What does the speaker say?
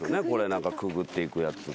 中くぐっていくやつが。